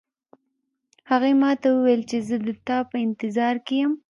هغې ما ته وویل چې زه د تا په انتظار کې یم